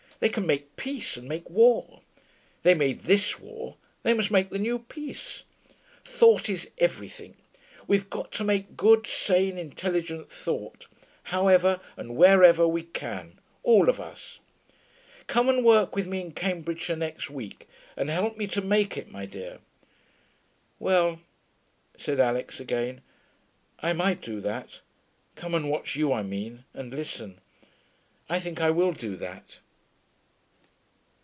They can make peace and make war. They made this war: they must make the new peace. Thought is everything. We've got to make good, sane, intelligent thought, how ever and where ever we can, all of us.... Come and work with me in Cambridgeshire next week and help me to make it, my dear.' 'Well,' said Alix again. 'I might do that. Come and watch you, I mean, and listen. I think I will do that.'